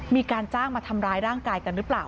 มีการจ้างมาทำร้ายร่างกายกันหรือเปล่า